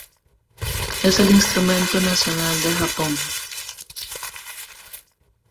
Es el instrumento nacional de Japón.